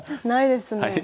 ないですね。